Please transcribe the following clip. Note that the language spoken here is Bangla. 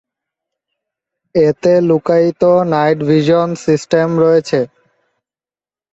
এতে লুকায়িত নাইট ভিশন সিস্টেম রয়েছে।